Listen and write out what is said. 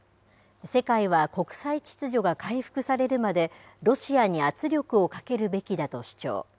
世界は国際秩序が回復されるまで、ロシアに圧力をかけるべきだと主張。